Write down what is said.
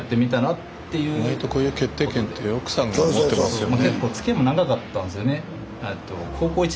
意外とこういう決定権って奥さんが持ってますよね。